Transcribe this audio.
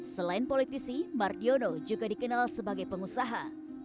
selain politisi mardiono juga dikenal sebagai pengusaha